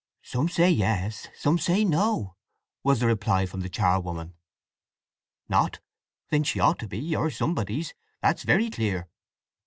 "Some say Yes: some say No," was the reply from the charwoman. "Not? Then she ought to be, or somebody's—that's very clear!"